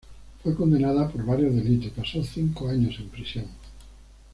Fue condenada por varios delitos y pasó cinco años en prisión.